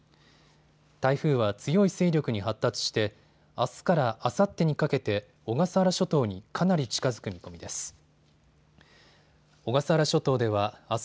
台風は強い勢力に発達してあすからあさってにかけて小笠原諸島にかなり近づく見込みです。